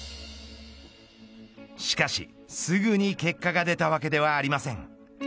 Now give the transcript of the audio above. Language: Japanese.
しかし、すぐに結果が出たわけではありません。